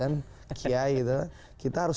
dan kiai kita harus